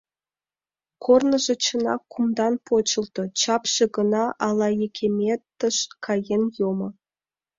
Корныжо, чынак, кумдан почылто, чапше гына ала екеметыш каен йомо.